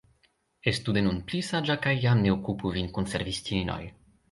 Estu de nun pli saĝa kaj jam ne okupu vin kun servistinoj.